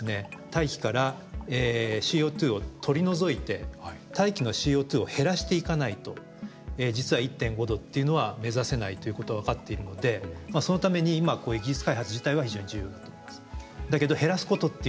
大気からＣＯを取り除いて大気のＣＯを減らしていかないと実は１．５℃っていうのは目指せないということが分かっているのでそのために今こういう技術開発自体は非常に重要だと思います。